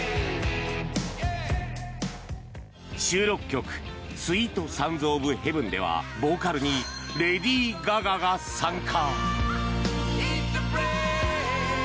収録曲「スウィート・サウンズ・オブ・ヘヴン」ではボーカルにレディー・ガガが参加。